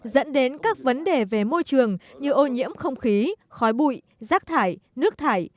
dẫn đến các vấn đề về môi trường như ô nhiễm không khí khói bụi rác thải nước thải